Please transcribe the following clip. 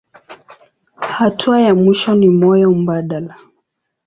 Hatua ya mwisho ni moyo mbadala.